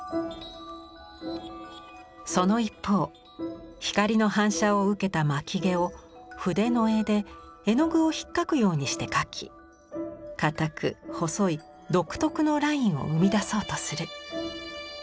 その一方光の反射を受けた巻き毛を筆の柄で絵の具をひっかくようにして描きかたく細い独特のラインを生み出そうとする。